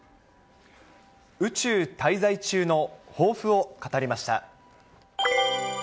宇宙滞在中の抱負を語りました。